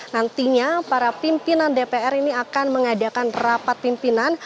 nantinya para pimpinan dpr ini akan mengadakan rapat pimpinan